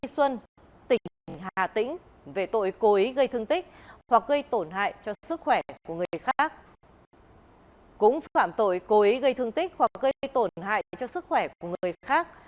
cũng phạm tội cố ý gây thương tích hoặc gây tổn hại cho sức khỏe của người khác